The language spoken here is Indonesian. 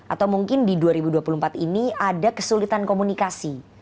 atau mungkin di dua ribu dua puluh empat ini ada kesulitan komunikasi